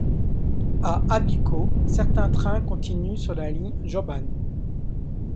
A Abiko, certains trains continuent sur la ligne Jōban.